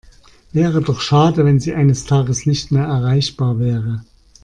Wäre doch schade, wenn Sie eines Tages nicht mehr erreichbar wäre.